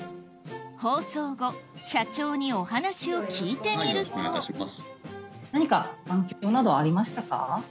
放送後社長にお話を聞いてみると何か反響などありましたか？